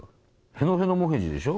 へのへのもへじでしょ？